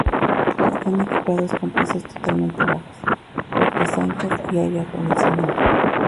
Están equipados con pisos totalmente bajos, puertas anchas y aire acondicionado.